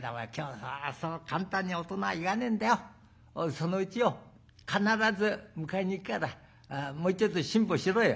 そのうちよ必ず迎えに行くからもうちょっと辛抱しろよ。